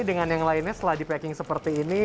dengan yang lainnya setelah di packing seperti ini